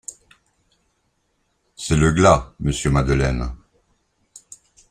C’est le glas, monsieur Madeleine.